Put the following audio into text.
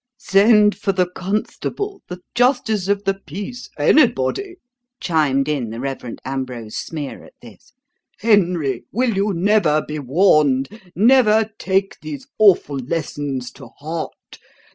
"Send for the constable the justice of the peace anybody!" chimed in the Rev. Ambrose Smeer at this. "Henry, will you never be warned, never take these awful lessons to heart?